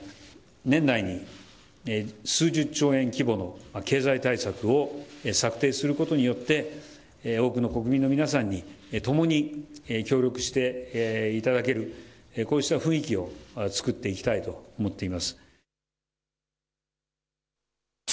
年内に数十兆円規模の経済対策を策定することによって、多くの国民の皆さんに共に協力していただける、こうした雰囲気を作っていきたいと思っています。